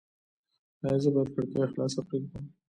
ایا زه باید کړکۍ خلاصه پریږدم؟